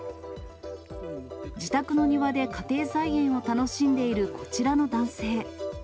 自宅の庭で家庭菜園を楽しんでいるこちらの男性。